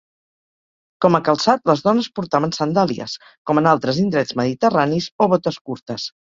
Com a calçat, les dones portaven sandàlies, com en altres indrets mediterranis, o botes curtes.